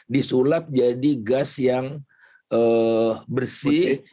disulap jadi gas yang bersih